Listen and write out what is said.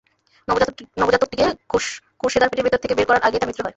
নবজাতকটিকে খোরশেদার পেটের ভেতর থেকে বের করার আগেই তার মৃত্যু হয়।